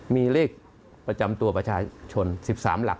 มีเลขประจำตัวประชาชน๑๓หลัก